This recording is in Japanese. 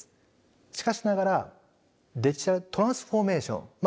しかしながらデジタルトランスフォーメーションまあ